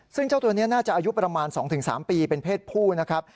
ซึ่งเจ้าตัวนี้น่าจะอายุประมาณ๒๓ปีเป็นเพศผู้นะครับ